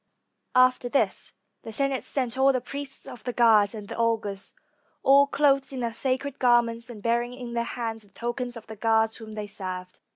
After this, the Senate sent all the priests of the gods, and the augurs, all clothed in their sacred garments, and bearing in their hands the tokens of the gods whom they served.